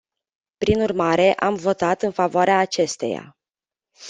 Prin urmare, am votat în favoarea acesteia.